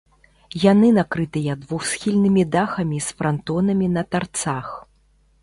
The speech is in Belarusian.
Яны накрытыя двухсхільнымі дахамі з франтонамі на тарцах.